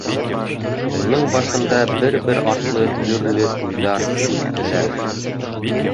Уның башында бер-бер артлы төрлө уйҙар үттеләр.